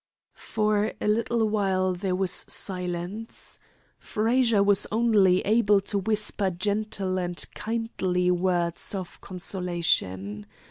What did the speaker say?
For a little while there was silence. Frazer was only able to whisper gentle and kindly words of consolation.